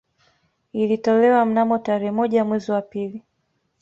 Ilitolewa mnamo tarehe moja mwezi wa pili